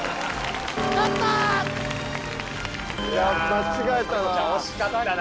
間違えたな。